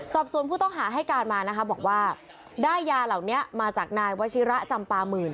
สอบส่วนผู้ต้องหาให้การมานะคะบอกว่าได้ยาเหล่านี้มาจากนายวชิระจำปาหมื่น